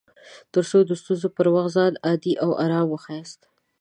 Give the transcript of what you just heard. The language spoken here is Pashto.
تر څو د ستونزو پر وخت ځان عادي او ارام وښياست